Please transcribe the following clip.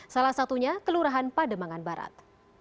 salah satunya kelurahan pademangan barat